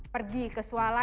pergi ke sualaman